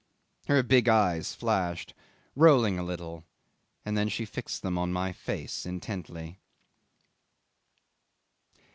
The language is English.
Her big eyes flashed, rolling a little, and then she fixed them on my face intently.